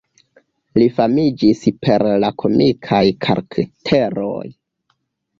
Li famiĝis per la komikaj karakteroj.